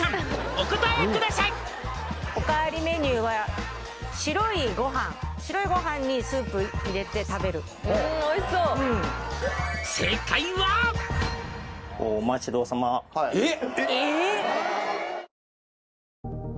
「お答えください」おかわりメニューは白いご飯にスープ入れて食べるおいしそうお待ちどおさまえっ？